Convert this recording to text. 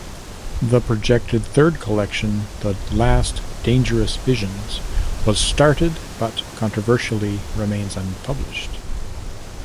The projected third collection, "The Last Dangerous Visions", was started, but controversially remains unpublished.